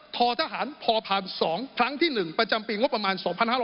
ทธหารพพ๒ครั้งที่๑ประจำปีประมาณ๒๕๖๓